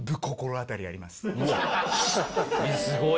すごいな。